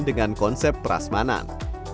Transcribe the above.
dengan konsep peras manan